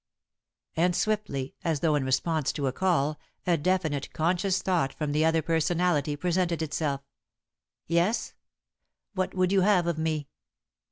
And swiftly, as though in response to a call, a definite, conscious thought from the other personality presented itself: "Yes? What would you have of me?"